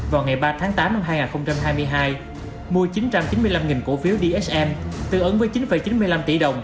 trong tháng chín năm hai nghìn hai mươi hai giao dịch một bốn trăm năm mươi năm triệu cổ phiếu dsm tư ứng với một mươi bốn năm mươi năm tỷ đồng